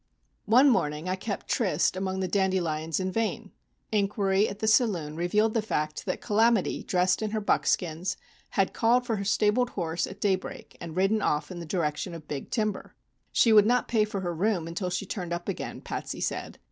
One morning I kept tryst among the dandelions in vain. Inquiry at the saloon revealed the fact that "Calamity," dressed in her buckskins, had called for her stabled horse at daybreak and ridden off in the direction of Big Timber. She would not pay for her room until she turned up again, Patsy said.